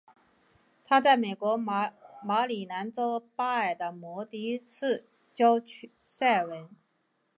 她在美国马里兰州巴尔的摩的市郊塞文。